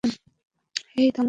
হেই, থামুন!